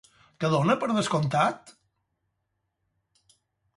Què dona per descomptat?